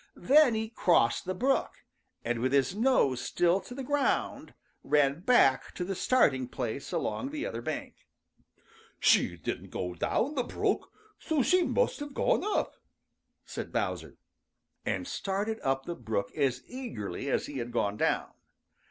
Then he crossed the brook, and with his nose still to the ground, ran back to the starting place along the other bank. "She didn't go down the brook, so she must have gone up," said Bowser, and started up the brook as eagerly as he had gone down.